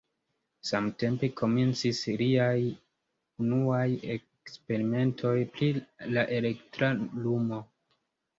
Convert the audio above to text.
Samtempe komencis liaj unuaj eksperimentoj pri la elektra lumo.